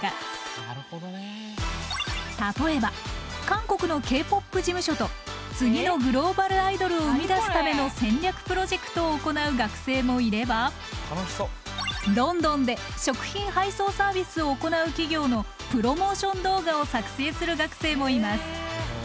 例えば韓国のＫ−ＰＯＰ事務所と次のグローバルアイドルを生み出すための戦略プロジェクトを行う学生もいればロンドンで食品配送サービスを行う企業のプロモーション動画を作成する学生もいます。